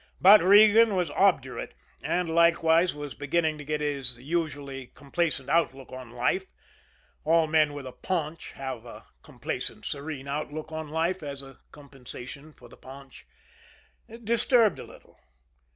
But Regan was obdurate, and likewise was beginning to get his usually complacent outlook on life all men with a paunch have a complacent, serene outlook on life as a compensation for the paunch disturbed a little.